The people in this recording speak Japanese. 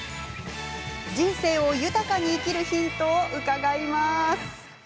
人生を豊かに生きるヒントを伺います。